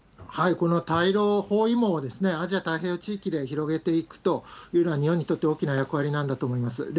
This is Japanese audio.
この対ロ包囲網は、アジア太平洋地域で広げていくというのは、日本にとって大きな役割なんだと思います。